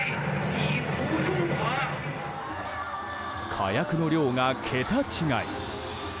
火薬の量が桁違い！